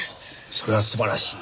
それは素晴らしい。